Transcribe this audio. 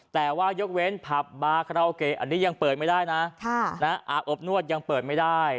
แต่ว่ายกเว้นผับบาคาราโอเกะอันนี้ยังเปิดไม่ได้นะอาบอบนวดยังเปิดไม่ได้